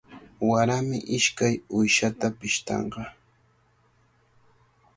Warami ishkay uyshata pishtanqa.